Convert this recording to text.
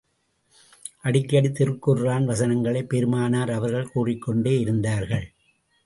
அடிக்கடி திருக்குர்ஆன் வசனங்களைப் பெருமானார் அவர்கள் கூறிக் கொண்டிருந்தார்கள்.